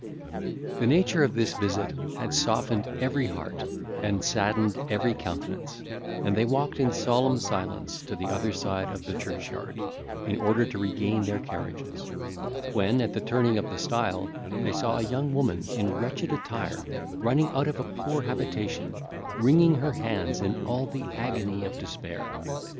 The nature of this visit had softened every heart, and saddened every countenance; and they walked in solemn silence to the other side of the church yard, in order to regain their carriages; when, at the turning of the stile, they saw a young woman, in wretched attire, running out of a poor habitation, wringing her hands in all the agony of despair.